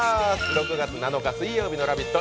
６月７日水曜日の「ラヴィット！」